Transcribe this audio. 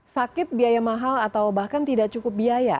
sakit biaya mahal atau bahkan tidak cukup biaya